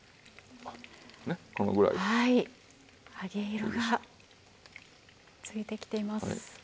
揚げ色がついてきています。